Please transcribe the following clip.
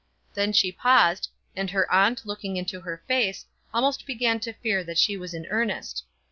Then she paused, and her aunt looking into her face almost began to fear that she was in earnest.